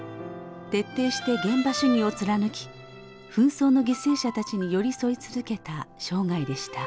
徹底して現場主義を貫き紛争の犠牲者たちに寄り添い続けた生涯でした。